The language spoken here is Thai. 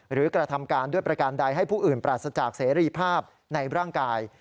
กระทำการด้วยประการใดให้ผู้อื่นปราศจากเสรีภาพในร่างกาย